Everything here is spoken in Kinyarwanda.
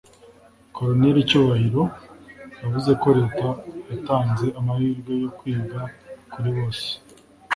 Col Cyubahiro yavuze ko Leta yatanze amahirwe yo kwiga kuri bose